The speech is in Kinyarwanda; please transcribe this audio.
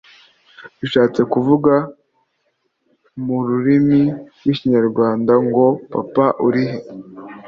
» bishatse kuvuga mu rurimi rw’ikinyarwanda ngo « Papa uri he